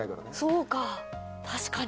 そうか確かに。